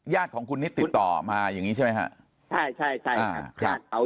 ญาติของคุณนิดติดต่อมาอย่างนี้ใช่ไหมครับใช่ใช่ใช่ครับ